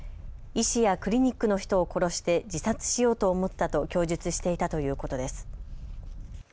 医師やクリニックの人を殺して自殺しようと思ったと供述していたということです。